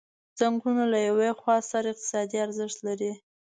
څنګلونه له یوې خوا ستر اقتصادي ارزښت لري.